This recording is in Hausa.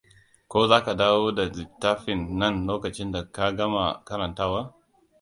Ko za ka dawo da littafin nan lokacin da ka gama karantawa.